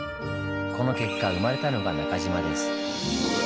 この結果生まれたのが中島です。